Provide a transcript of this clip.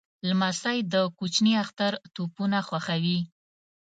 لمسی د کوچني اختر توپونه خوښوي.